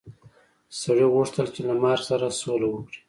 سړي غوښتل چې له مار سره سوله وکړي.